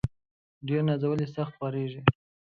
ډير نازولي ، سخت خوارېږي.